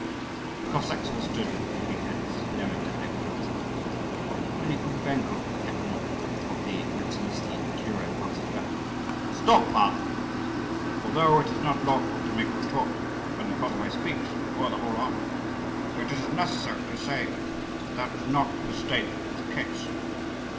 The Cossacks all stood with drooping heads, knowing that they were guilty; only Kukubenko, the hetman of the Nezamisky kuren, answered back. "Stop, father!" said he; "although it is not lawful to make a retort when the Koschevoi speaks before the whole army, yet it is necessary to say that that was not the state of the case.